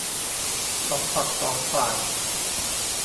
สองฝักสองฝ่าย